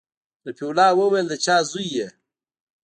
رفيع الله وويل د چا زوى يې.